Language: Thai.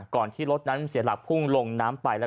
ที่รถนั้นเสียหลักพุ่งลงน้ำไป